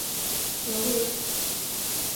Jag går upp.